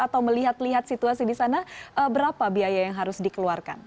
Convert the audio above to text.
atau melihat lihat situasi di sana berapa biaya yang harus dikeluarkan